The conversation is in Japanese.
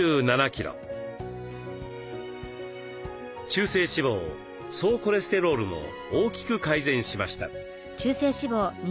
中性脂肪総コレステロールも大きく改善しました。